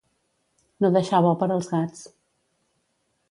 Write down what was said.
No deixar bo per als gats.